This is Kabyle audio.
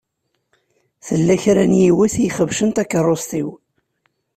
Tella kra n yiwet i ixebcen takeṛṛust-iw.